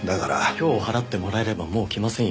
今日払ってもらえればもう来ませんよ。